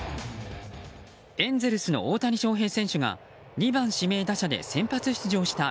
エンゼルスの大谷翔平選手が２番指名打者で先発出場した